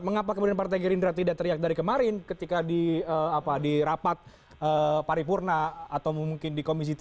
mengapa kemudian partai gerindra tidak teriak dari kemarin ketika di rapat paripurna atau mungkin di komisi tiga